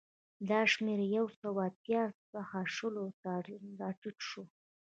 دا شمېر له یو سوه اتیا څخه شلو ته راټیټ شو